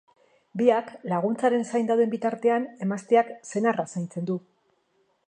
Biak laguntzaren zain dauden bitartean emazteak senarra zaintzen du.